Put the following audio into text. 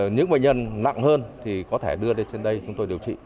những bệnh nhân nặng hơn thì có thể đưa lên trên đây chúng tôi điều trị